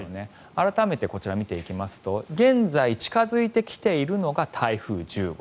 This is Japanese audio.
改めてこちら、見ていきますと現在、近付いてきているのが台風１０号。